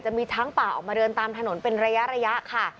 มีช้างป่าออกมาเดินตามถนนเป็นระยะค่ะ